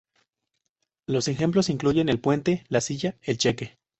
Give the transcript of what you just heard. Los ejemplos incluyen el puente, la silla, el cheque.